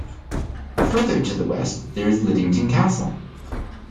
Further to the West, there is Liddington Castle.